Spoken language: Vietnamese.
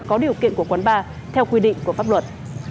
có điều kiện của quán bar theo quy định của pháp luật